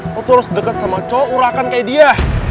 lo tuh harus deket sama cowok urakan kayak dia